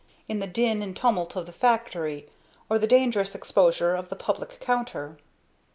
in the din and tumult of the factory, or the dangerous exposure of the public counter."